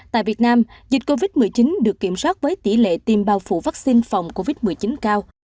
tại việt nam dịch covid một mươi chín được kiểm soát với tỷ lệ tiêm bao phủ vaccine phòng covid một mươi chín cao